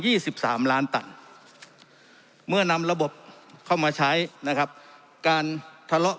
สิบสามล้านตันเมื่อนำระบบเข้ามาใช้นะครับการทะเลาะ